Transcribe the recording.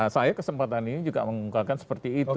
saya kesempatan ini juga mengungkapkan seperti itu